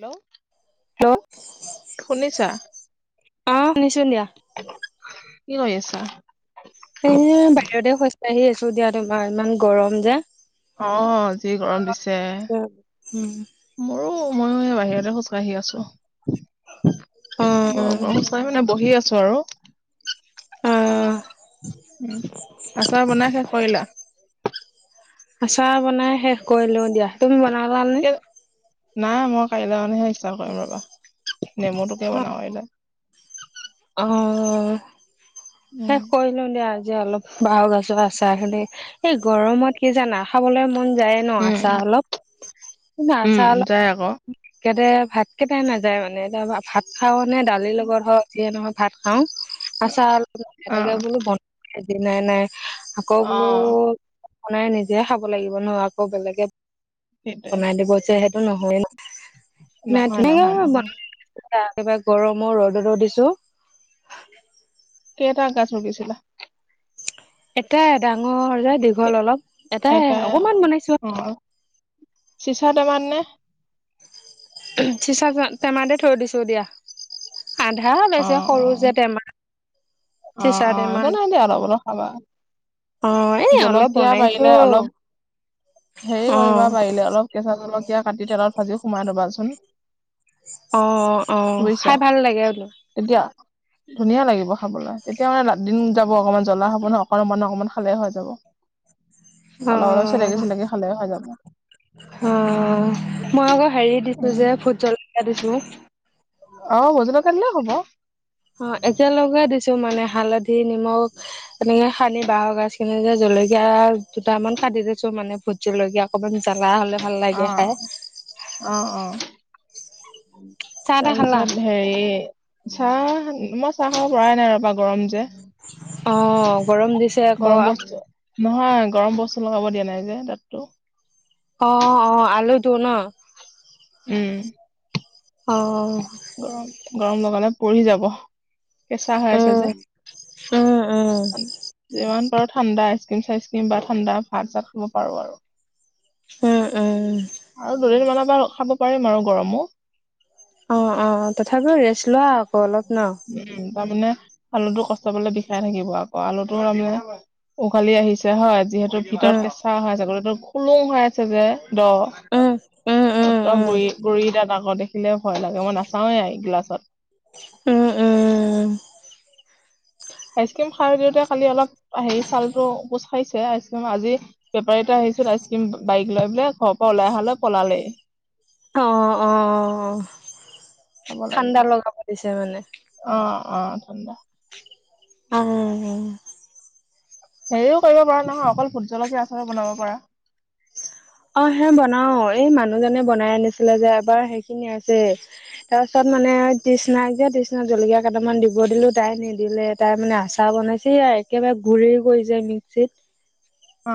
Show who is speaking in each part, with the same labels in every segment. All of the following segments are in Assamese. Speaker 1: হেল্ল'
Speaker 2: হেল্ল'
Speaker 1: শুনিছা!
Speaker 2: অ' শুনিছো দিয়া।
Speaker 1: কি কৰি আছা?
Speaker 2: এনে বাহিৰতে খোজকাঢ়ি আছো দিয়া তোমাৰ ইমান গৰম যে।
Speaker 1: অ' যি গৰম দিছে।
Speaker 2: উম
Speaker 1: মোৰো ময়ো এয়া বাহিৰতে খোজকাঢ়ি আছো
Speaker 2: অ
Speaker 1: ব বৰ গৰম দিছে। মই মানে বহি আছোঁ আৰু।
Speaker 2: অ
Speaker 1: উম, আচাৰ বনাই শেষ কৰিলা?
Speaker 2: আচাৰ বনাই শেষ কৰিলো দিয়া। তুমি বনালানে?
Speaker 1: কি? নাই মই কাইলৈ মানেহে ষ্টাৰ্ট কৰিম ৰ'বা, নেমুটোকে বনাওঁ এতিয়া। [inaudible]
Speaker 2: অ',
Speaker 1: উম
Speaker 2: শেষ কৰি কৰি দিওঁ দিয়া আজি অলপ বাঁহৰ গাজৰ আচাৰখিনি এই গৰমত কি জানা খাবলৈ মন যায় ন
Speaker 1: উম
Speaker 2: আচাৰ অলপ, [unintelligible]
Speaker 1: উম
Speaker 2: আচাৰ অলপ
Speaker 1: যায় আকৌ
Speaker 2: [unintelligible] ভাত কেইটাই নাযায় মানে, এতিয়া ভাত খাওঁনে দালিৰ লগত হওঁক নহওঁক ভাত খাওঁ, আচাৰ অলপকে [unintelligible]
Speaker 1: অ
Speaker 2: তাকেই বোলো বনাওঁ যি নাই, নাই। আকৌ
Speaker 1: অ
Speaker 2: বোলো বনাই নিজে খাব লাগিব ন, আকৌ বেলেগে
Speaker 1: সেইটোৱে
Speaker 2: বনাই দিব যে সেইটো নহয় ন,
Speaker 1: নহয়
Speaker 2: তেনেকে
Speaker 1: নহয় নহয়
Speaker 2: এয়া কিবা গৰমো ৰ'দটো দিছোঁ।
Speaker 1: কেইটা গাজ ৰুকিছিলা?
Speaker 2: এটাই ডাঙৰ যে দীঘল
Speaker 1: কে-
Speaker 2: অলপ, এটাই
Speaker 1: এটা
Speaker 2: অকণমান বনাইছোঁ আৰু।
Speaker 1: চিচাৰৰ টেমাত নে?
Speaker 2: চিচাৰৰ টেমাতে থৈ দিছোঁ দিয়া। আধা
Speaker 1: অ
Speaker 2: ওলাইছে
Speaker 1: অ
Speaker 2: সৰু যে টেমা,
Speaker 1: অ অ
Speaker 2: চিচাৰৰ টেমা
Speaker 1: একো
Speaker 2: যে।
Speaker 1: নাই দিয়া অলপ অলপ খাবা জলকীয়া পাৰিলে অলপ, হেৰি
Speaker 2: অ
Speaker 1: কৰিবা পাৰিলে অলপ কেঁচা জলকীয়া কাটি তেলত ভাজি সোমাই থ'বাচোন।
Speaker 2: অ', অ', অ',
Speaker 1: বুজিছা
Speaker 2: খাই ভাল লাগে [unintelligible]
Speaker 1: তেতিয়া, ধুনীয়া লাগিব খাবলৈ তেতিয়া মানে দিন যাব অকণমান জ্বলা হ'ব ন অকণমান মানুহ অকণমান খালে হৈ যাব। অলপ, অলপ চেলেকি, চেলেকি খালেই হৈ যাব।
Speaker 2: হম, মই আকৌ হেৰি দিছোঁ
Speaker 1: উম
Speaker 2: যে ভোট জলকীয়া দিছোঁ।
Speaker 1: অ', ভোট জলকীয়া দিলেও হ'ব।
Speaker 2: অ', একেলগে দিছোঁ মানে হালধি, নিমখ এনেকে সানি বাঁহৰ গাজখিনি যে জলকীয়া দুটামান কাটি দিছোঁ মানে ভো ট জলকীয়া অকণমান জ্বলা হ'লে ভাল
Speaker 1: অ
Speaker 2: লাগে খায়।
Speaker 1: অ', অ',
Speaker 2: চাহ তাহ খালা
Speaker 1: তাৰপিছত হেৰি চাহ, মই চাহ খাব পৰাই নাই ৰ'বা গৰম যে।
Speaker 2: অ', গৰম দিছে আকৌ
Speaker 1: গৰম বস্তু নহয় গৰম বস্তু লগাব দিয়া নাই যে দাঁততো।
Speaker 2: অ', অ', আলুটো ন!
Speaker 1: উম।
Speaker 2: অ'।
Speaker 1: উম, গৰম লগালে পৰি যাব। কেঁচা হৈ আছে
Speaker 2: উম
Speaker 1: যে,
Speaker 2: উম উম
Speaker 1: [unintelligible] ঠাণ্ডা আইচক্ৰীম চাইচক্ৰীম বা ঠাণ্ডা ভাত চাত খাব পাৰোঁ আৰু।
Speaker 2: উম, উম।
Speaker 1: আৰু দুদিনমানৰ পা খাব পাৰিম আৰু গৰমো।
Speaker 2: অ', অ', তথাপিও ৰেষ্ট লোৱা আকৌ অলপ ন!
Speaker 1: উম, উম, তাৰমানে আলুটো কষ্ট পালে বিষাই থাকিব আকৌ আলুটো তাৰমানে উঘালি আহিছে হয়, যিহেতু ভিতৰত
Speaker 2: উম
Speaker 1: কেঁচা হয়, গোটেইটো খুলুং হৈ আছে যে দ'।
Speaker 2: উম, উম।
Speaker 1: অ',
Speaker 2: উম
Speaker 1: দাঁতৰ
Speaker 2: উম
Speaker 1: গুড়ি, গুড়ি দাঁত আকৌ দেখিলে ভয় লাগে, মই নাচাওৱে এই গ্লাছত।
Speaker 2: উম, উম।
Speaker 1: আইচক্ৰীম খাই দিওঁতে কালি অলপ হেৰি ছালতো কোচ খাইছে আইচক্ৰীম আজি বেপাৰী এটা আহিছ আইচক্ৰীম বাইক লৈ পেলাই, ঘৰৰ পা ওলাই অহালৈ পলালেই।
Speaker 2: অ', অ'।
Speaker 1: হব লাগিব
Speaker 2: ঠাণ্ডা লগাব দিছে
Speaker 1: অ অ ধঠণ্ডা
Speaker 2: উম
Speaker 1: হেৰিও কৰিব পৰা নহয় অকল ভোট জলকীয়া আচাৰো বনাব পাৰ
Speaker 2: অ হে বনাও এই মানুহজনে বনাই আনিছিলে যে এবাৰ সেইখিনি আছে তাৰপিছত মানে তৃষ্নাাক যে তৃিষ্না জলকীয়া কেইটামান দিব দিলো তাই নিদিলে তাৰ মানে আচাৰ বনাইছে একেবাৰে ঘুৰি কৰিছে মিক্সিত
Speaker 1: অ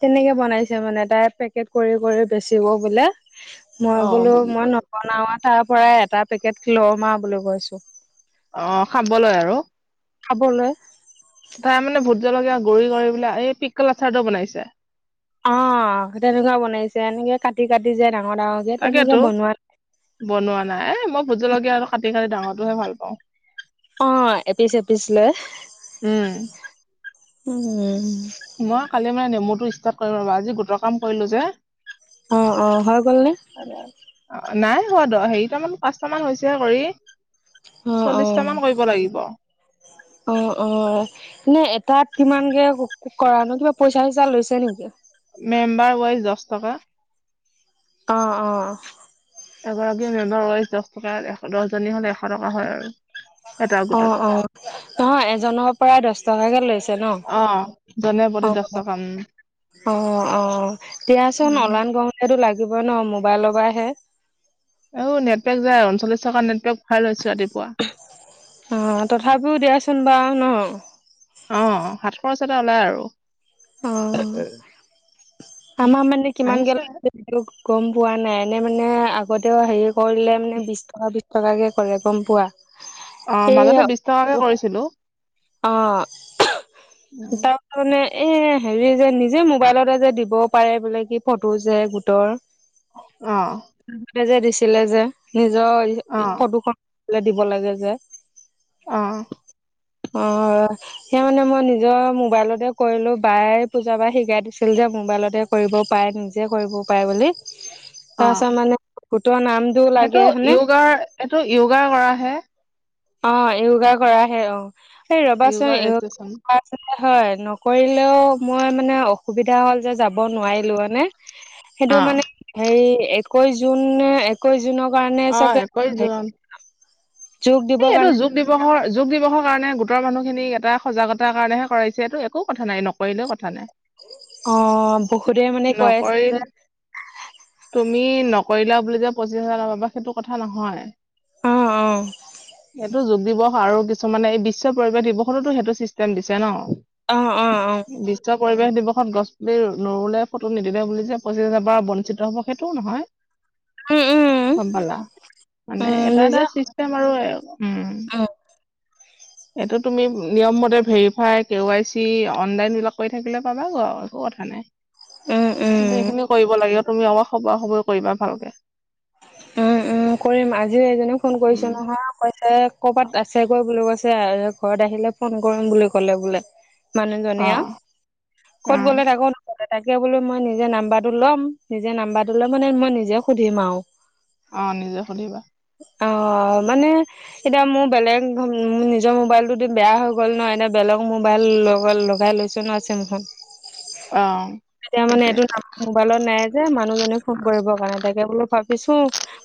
Speaker 2: তেনেকে বনাইছে মানে তাই পেকেট কৰি কৰি বেচিব বোলে মই
Speaker 1: অ
Speaker 2: বোলো
Speaker 1: বিক্ৰী
Speaker 2: মই
Speaker 1: কৰি
Speaker 2: বনাওা তাৰ পৰা এটা পেকেট লমা বুলি কৈছো
Speaker 1: অ খাবলৈয় আৰু
Speaker 2: খাবলৈ
Speaker 1: তাৰ মানে ভোট জলকীয়া গৰি কৰি বিললে এই পিককল আচাৰটো বনাইছে
Speaker 2: অ তেনেকুৱা বনাইছে এনেকে কাটি কাটি যায় ডাঙৰ ডাঙৰ
Speaker 1: তাকেতো বনোৱা নাই এ মই ভোজলকীয়া আৰু কাটি কাটি ডাঙৰটোহে ভাল পাওঁ
Speaker 2: অ এপিচ এপিচ লৈ
Speaker 1: উম
Speaker 2: উম উম
Speaker 1: মই কালি মানে নেমু টো ষ্টাৰ্ট কৰিম ৰ আজি গোটৰ কাম কৰিলো যে
Speaker 2: অ অ হয় গ'ল ন
Speaker 1: নাই সোৱাদ হেৰিট মান পাঁচট মান হৈছেহে কৰি
Speaker 2: অ অ
Speaker 1: চল্লিশটা মান কৰিব লাগিব
Speaker 2: অ অ এনেে এটাত কিমানকে কৰা ন কিবা পইচা চিচা লৈছে নেকি
Speaker 1: মেম্বাৰ ৱাইজ দহ টকা
Speaker 2: অ অ
Speaker 1: এগৰাকী মেম্বাৰ ৱাইচ দহ টকা এশ দহজনী হলে এশ টকা হয় আৰু এটা
Speaker 2: অ
Speaker 1: গোটত
Speaker 2: অ নহয় এজনৰ পৰা দহ টকাকে লৈছে ন
Speaker 1: অ ধনাদ
Speaker 2: অ অ অ দিয়াচোন
Speaker 1: উম
Speaker 2: ওলান গম সেইটো লাগিব ন মোবাইল লবাইহে
Speaker 1: অ নেটৱেক যায় উনলিছটকা নেটৱেক ভাল লৈছো ৰাতিপুৱা
Speaker 2: অঁ তথাপিও দিয়াচোন বাৰু নহয়
Speaker 1: অ সাতশৰ ওচতে ওলাই আৰু
Speaker 2: অ আমাৰ মানে কিমান গে
Speaker 1: আহিছে
Speaker 2: সেইটো গম পোৱা নাই এনে মানে আগতেও হেৰি কৰিলে মানে বিশ টকা বি টকাকে কৰে গম পোৱা
Speaker 1: অ মাজতে
Speaker 2: এয়া
Speaker 1: বিশ টকাকে কৰিছিলো
Speaker 2: অ এ
Speaker 1: উম,
Speaker 2: মানে এ হেৰি যে নিজে মোবাইলতে যে দিবও পাৰে বোলে কি ফটো যে গোটৰ
Speaker 1: অ
Speaker 2: তে যে দিছিলে যে নিজৰ
Speaker 1: অ
Speaker 2: ফটোখন দিব লাগে যে
Speaker 1: অ
Speaker 2: অ সেই মানে মই নিজৰ মোবাইলতে কৰিলো বায়ে পূজা পৰা শিকাই দিছিল যে মোবাইলতে কৰিব পাৰে নিজে কৰিব পাৰে বুলি
Speaker 1: অ
Speaker 2: তাৰপাছত মানে গোট নাম
Speaker 1: সেইটো য়গা কৰা হৈ
Speaker 2: অ য়োগা কৰা হে অ এই
Speaker 1: য়োগাৰ ৰেজিষ্ট্ৰেচন
Speaker 2: ৰবাচোনয় হয় কৰিলেও মই মানে অসুবিধা হ'ল যে যাব নোৱাৰিলো মানে সেইটো
Speaker 1: অ
Speaker 2: মানে হে একৈশ জুন একৈশ জুনৰ কাৰণে
Speaker 1: অ
Speaker 2: চাগে
Speaker 1: একৈশ
Speaker 2: হ
Speaker 1: জুন
Speaker 2: যোগ
Speaker 1: এই
Speaker 2: দিৱস
Speaker 1: এইটো
Speaker 2: কাৰণে।
Speaker 1: যোগ দিৱসৰ যোগ দিৱসৰ কাৰণে গোটৰ মানুহখিনিক এটা সজাগতাৰ কাৰণেহে কৰাইছে এইটো একো কথা নাই ন কৰিলেও কথা নাই
Speaker 2: অ বহুতে মানে কৈ আছিল
Speaker 1: নকৰিল
Speaker 2: যে
Speaker 1: তুমি নকৰিলা বুলি যে পঁচিশ হাজাৰ পাব সেইটো কথা নহয়
Speaker 2: অ অ
Speaker 1: এইটোটো যোগ দিৱস আৰু কিছুমানে এই বিশ্ব পৰিবেশ দিৱসতোতো সেইটো চিষ্টেম দিছে ন
Speaker 2: অ অ অ
Speaker 1: বিশ্ব পৰিবেশ দিৱসত গছ পুলি নৰুলে ফটো নিদিলে বুলি যে পঁচিছ হাজাৰ পৰা বঞ্চিত ব সেইটোও নহয়
Speaker 2: উম উম
Speaker 1: সমম্ভালা মানে
Speaker 2: উম
Speaker 1: এটা এটা চিষ্টেম আৰু উম
Speaker 2: অ
Speaker 1: এইটো তুমি নিয়ম মতে verify K Y C online বিলাক কৰি থাকিলে পাবা গ একো কথা নাই
Speaker 2: উম
Speaker 1: কিন্তু
Speaker 2: উম
Speaker 1: এইখিনি কৰিব লাগিব তুমি অলাক খবৰ খবয় কৰিবা ভালকে
Speaker 2: উ কৰিম আজি এইজনেও ফোন কৰিছো
Speaker 1: উম
Speaker 2: নহয় কৈছে ক'ৰবাত আছে গৈ বুলি কৈছে আৰু ঘৰত আহিলে ফোন কৰিম বুলি ক'লে বোলে মানুহজনী
Speaker 1: অ
Speaker 2: আ ক'ত
Speaker 1: অ
Speaker 2: গ'লে থাকো ত তাকে বোলো মই নিজে নাম্বাৰটো ল'ম নিজে নাম্বাৰটো লৈ মানে মই নিজে সুধিম আৰু
Speaker 1: অ নিজে খধিবা
Speaker 2: অ মানে এতিয়া মোৰ বেলেগ নিজৰ মোবাইলতো বেয়া হৈ গ'ল ন এতিয়া বেলেগ মোবাইল লগ লগাই লৈছো আছে মুখত
Speaker 1: অ
Speaker 2: এতিয়া মানে
Speaker 1: সেইটোৱে
Speaker 2: এইটো নাম মোবাইলত নাই যে মানুহ জনে ফোন কৰিবৰ কাৰণে তাকে বোলো ভাবিছো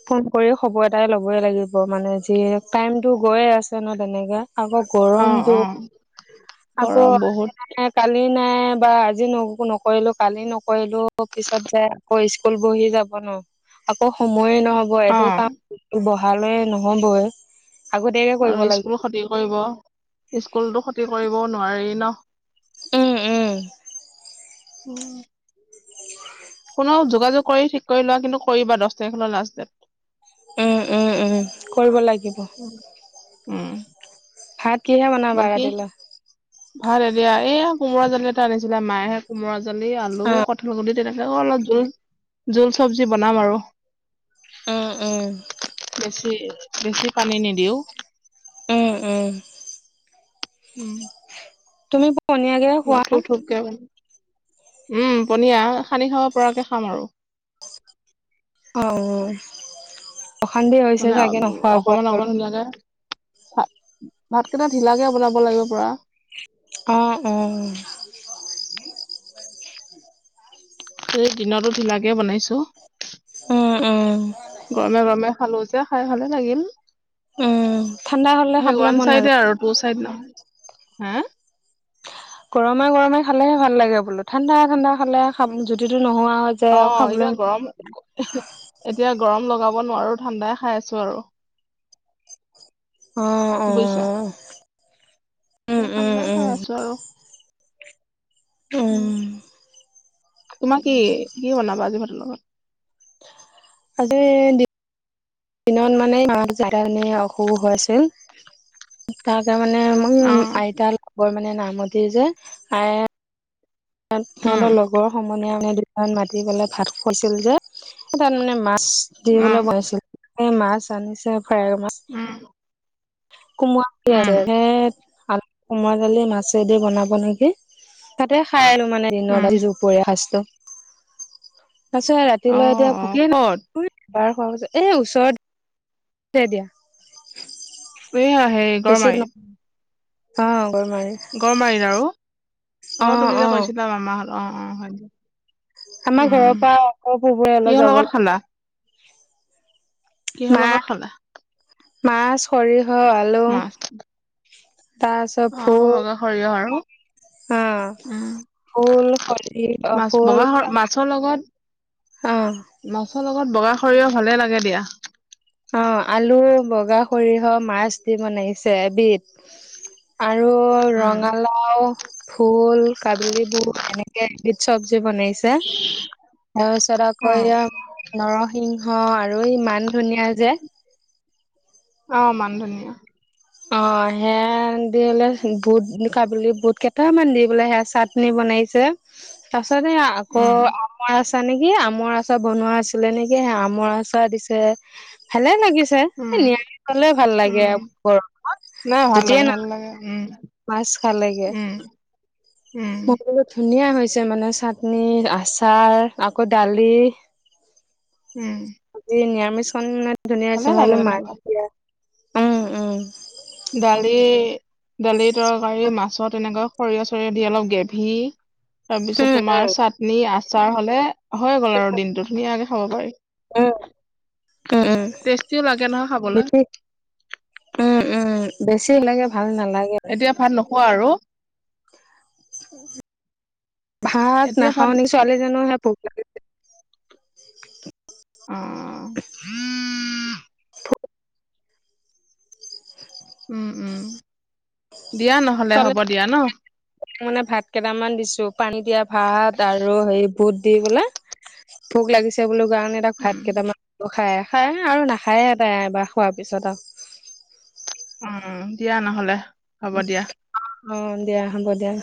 Speaker 2: ফোন কৰি খবৰ এটাই ল'বই লাগিব মানে যি টাইমতটো গৈয়ে আছে ন তেনেকে আকৌ
Speaker 1: অ
Speaker 2: গৰম
Speaker 1: অ
Speaker 2: দুখ আকৌ
Speaker 1: গৰম বহুত
Speaker 2: কালি নাই বা আজি ন নকৰিলো কালি নকৰিলো পিছত যায় আকৌ স্কুল বহি যাব ন আকৌ সময়ে নহব এইটো
Speaker 1: অ
Speaker 2: কাম বহালৈ নহবই আগতীয়াকে কৰিব
Speaker 1: আৰু
Speaker 2: লাগিব
Speaker 1: স্কুল ক্ষতি কৰিব স্কুলতো ক্ষতি কৰিব নোৱাৰি ন
Speaker 2: উম উম
Speaker 1: অ
Speaker 2: উ
Speaker 1: কোনেও যোগাযোগ কৰি ঠিক কৰি লোৱা কিন্তু কৰিবা দহ তাৰিখলৈ লাষ্ট ডেট
Speaker 2: উম উম উম কৰিব লাগিব
Speaker 1: উম
Speaker 2: ভাত কিহে বনাবা
Speaker 1: বাকী
Speaker 2: ৰাতিলৈ
Speaker 1: ভাল এ দিয়া এইয়া কোমোৰা জালি এটা আনিছিলে মায়েে কোমৰা জালি আলু
Speaker 2: অ
Speaker 1: কঠলগুৰিি তেনেকে অলপ জোল জোল চব্জি বনাম আৰু
Speaker 2: উ উম
Speaker 1: বেছি বেছি পানী নিদিও
Speaker 2: উম উম
Speaker 1: উম
Speaker 2: তুমি পনীয়া
Speaker 1: থপ থপকোন উম পনীয়াা সানি খাব পৰাকে খাম আৰু
Speaker 2: অ অশান্তি হৈছে চাগে নোখোৱা বোৱা
Speaker 1: লগাগা ভাত ভাতকেইটা ঢিলাকে বনাব লাগিব প
Speaker 2: অ অ
Speaker 1: এই দিনতো ঢিলাকে বনাইছো
Speaker 2: উম উম
Speaker 1: গৰমে গৰমে খালো খাই ভালে লাগিল
Speaker 2: উম ঠাণ্ডা হলে খাবলৈ
Speaker 1: সেৱান
Speaker 2: মন নাযায়
Speaker 1: চাইডে আৰু বচাই নহ হা
Speaker 2: গৰমে গৰমে খালেহে ভাল লাগে বোলো ঠাণ্ডা ঠাণ্ডা খালে খ যদিটো নোহোৱা হয়
Speaker 1: অ এতিয়া গৰম এতিয়া গৰম লগাব নোৱাৰো ঠাণ্ডাই খাই আছো আৰু বুজিছা?
Speaker 2: হু।
Speaker 1: সেইকণতে হৈ আছোঁ আৰু। উ,
Speaker 2: উম
Speaker 1: তোমাক কি কি বনাবা আজি ভাতৰ লগত?
Speaker 2: আজি দিনত মানে মা জান অসুখ হৈ আছিল। তাৰে মানে মই
Speaker 1: অ
Speaker 2: আইতাৰ খবৰ মানে নামতি যে আয়ে তাত
Speaker 1: উম
Speaker 2: সিহঁতৰ লগৰ সমনীয়া মানে মাতি পেলাই ভাত খুৱাইছিল যে তাত মানে মাছ দি
Speaker 1: উম
Speaker 2: পলে বনাইছিল। এ, মাছ আনিছে ফ্ৰাইৰ মাছ।
Speaker 1: উম।
Speaker 2: কোমোৱা আছে
Speaker 1: উম
Speaker 2: হেট কোমোৰা, দালি মাছেদি বনাব নেকি তাতে খাই আহিলোঁ। মানে
Speaker 1: উম
Speaker 2: দিনত যি দুপৰীয়া খাইছিলোঁ তাৰপিছত ৰাত
Speaker 1: অ
Speaker 2: ৰাতিলৈ এতিয়া
Speaker 1: অ
Speaker 2: ভুকি
Speaker 1: ক'ত
Speaker 2: এবাৰ খোৱাৰ পিছত। এই ওচৰত দে দিয়া।
Speaker 1: এইয়া হেৰি
Speaker 2: হৈছে
Speaker 1: গড়মাৰিত
Speaker 2: নয় অ' গৰ মাৰি।
Speaker 1: গড় মাৰিল আৰু অ' তুমি যে কৈছিলা মামাহঁত অ', অ' হয় দিয়া।
Speaker 2: আমাৰ
Speaker 1: উম
Speaker 2: ঘৰৰপৰা আকৌ যে অলপ
Speaker 1: কিহৰ
Speaker 2: যাব
Speaker 1: লগত খালা
Speaker 2: লাগে
Speaker 1: কিহৰ লগত
Speaker 2: মাছ,
Speaker 1: খালা
Speaker 2: মাছ, সৰিহ আলু।
Speaker 1: মাছ
Speaker 2: তাৰপিছত
Speaker 1: অ'
Speaker 2: ফুল
Speaker 1: বগা সৰিয়হ। আৰু?
Speaker 2: অ
Speaker 1: উম।
Speaker 2: ফুল সৰিয়হ অ
Speaker 1: মাছ
Speaker 2: ফুল
Speaker 1: বগাহৰ মাছ ছৰ লগত
Speaker 2: অ
Speaker 1: মাছৰ লগত বগা সৰিয়হ ভালে লাগে দিয়া।
Speaker 2: অ' আলু, বগা সৰিয়হ, মাছ দি বনাইছে এবিধ। আৰু
Speaker 1: উম।
Speaker 2: ৰঙালাও ভোল কাবিলি ভোল এনেকে এবিধ চবজি বনাইছে। ছে তাৰপিছত আকৌ এয়া নৰসিংহ আৰু এই মান ধুনীয়া যে
Speaker 1: অ' মানধনীয়া।
Speaker 2: অ' সেয়া দি লে বুট কাবিলিবুট কেইটামান দি বোলে সেয়া চাট নি বনাইছে।
Speaker 1: [unintelligible]
Speaker 2: তাৰপিছত এ, আকৌ
Speaker 1: উম
Speaker 2: আমৰ আমৰ নেকি আমৰ আচাৰ বনোৱা আছিলে নেকি এ, আমৰ আচাৰ দিছে ভালে লাগিছে। এ,
Speaker 1: উম
Speaker 2: নিৰামিষ হ'লেই ভাল লাগে
Speaker 1: উম
Speaker 2: আৰু। গৰমত
Speaker 1: নাই ভাল লাগে
Speaker 2: যেতিয়াই নে
Speaker 1: ভাল লাগে উম
Speaker 2: মাছ খালেগে
Speaker 1: উম উম
Speaker 2: মোক বোলো ধুনীয়া হৈছে মানে চাটনি, আচাৰ আকৌ দালি।
Speaker 1: উম।
Speaker 2: আজি নিৰামিষখন মানে ধুনীয়া
Speaker 1: ভালে
Speaker 2: হৈছে মই
Speaker 1: লাগে
Speaker 2: বোলো মাক
Speaker 1: তেনেকুৱা
Speaker 2: দিয়া উম উম
Speaker 1: দালি দালিৰ তৰকাৰী, মাছৰ তেনেকে সৰিয়হ চৰিয়হ দি অলপ গ্ৰেভী তাৰপিছত
Speaker 2: উম
Speaker 1: তোমাৰ চাটনি, আচাৰ হ'লে হৈ গ'ল আৰু দিনটো ধুনীয়াকে খাব পাৰি।
Speaker 2: উ, উম, উম।
Speaker 1: টেষ্টিও লাগে নহয় খাবলৈ।
Speaker 2: বেছি উম উম বেছি লাগে
Speaker 1: হুম।
Speaker 2: ভাল নালাগে
Speaker 1: এতিয়া ভাত নোখোৱা আৰু?
Speaker 2: ভাত
Speaker 1: এতিয়া ভাত
Speaker 2: নাখাও নেকি। ছোৱালীজনী হেনো ভুক লাগিছে।
Speaker 1: অ'। উম উম। দিয়া নহ'লে
Speaker 2: ছোৱালী
Speaker 1: হ'ব দিয়া ন'।
Speaker 2: মানে ভাত কেইটামান দিছোঁ। পানী দিয়া ভাত আৰু হে বুট দি বোলে ভোক লাগিছে বুলি কাৰণে ভাত
Speaker 1: উম
Speaker 2: কেইটামান খাই আহ। খাই আৰু নাখায়ে এ, তাই এবাৰ খোৱাৰ পিছত আৰু।
Speaker 1: উম, দিয়া নহলে? হ'ব দিয়া
Speaker 2: অ, দিয়া হ'ব দিয়া।